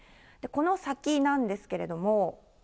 この先なんですけれども。